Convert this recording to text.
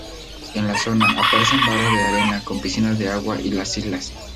En la zona, aparecen barras de arena con piscina de agua y las islas.